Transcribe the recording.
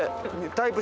タイプ